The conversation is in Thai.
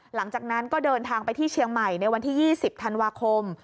หลังจากนั้นก็เดินทางไปที่เชียงใหม่ในวันที่๒๐ธันวาคม